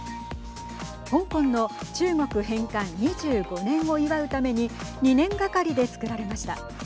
香港の中国返還２５年を祝うために２年がかりで作られました。